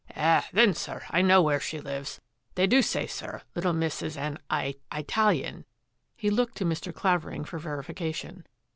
" Eh, then, sir, I know where she lives. They do say, sir, little miss is an Eye — Italian." He looked to Mr. Clavering for verification.